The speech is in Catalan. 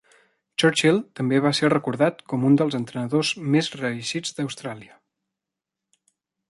Churchill també va ser recordat com un dels entrenadors més reeixits d'Austràlia.